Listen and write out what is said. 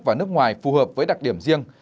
và nước ngoài phù hợp với đặc điểm riêng